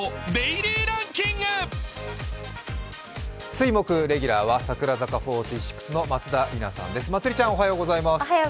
水木レギュラーは櫻坂４６の松田里奈ちゃんです。